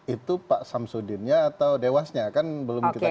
itu pak syamsuddinnya atau dewasnya kan belum kita ketahui